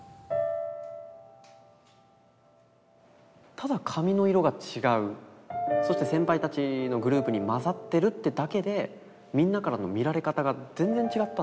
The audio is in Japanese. ただ髪の色が違うそして先輩たちのグループに混ざってるってだけでみんなからの見られ方が全然違ったんですよ。